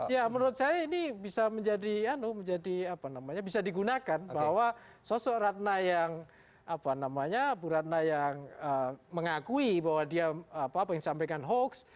ya menurut saya ini bisa menjadi apa namanya bisa digunakan bahwa sosok ratna yang apa namanya bu ratna yang mengakui bahwa dia apa yang disampaikan hoax